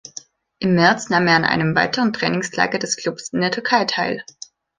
Im März nahm er an einem weiteren Trainingslager des Klubs in der Türkei teil.